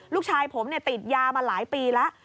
ลูกชายผมติดยามาหลายปีแล้ว